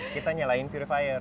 kita nyalakan purifier